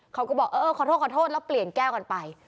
เขาก็บอกเออขอโทษขอโทษแล้วเปลี่ยนแก้วกันไป